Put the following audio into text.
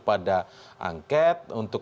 pada angket untuk